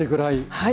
はい。